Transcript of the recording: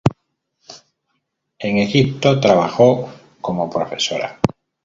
En Egipto trabajó como profesora.